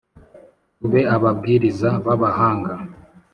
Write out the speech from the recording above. Tube ababwiriza babahanga.